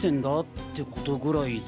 ってコトぐらいで。